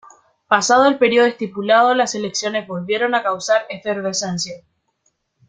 Pasado el periodo estipulado las elecciones volvieron a causar efervescencia.